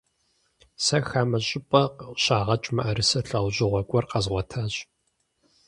Сэ хамэ щӀыпӀэ щагъэкӀ мыӀэрысэ лӀэужьыгъуэ гуэр къэзгъуэтащ.